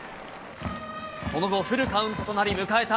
その後、フルカウントとなり迎えた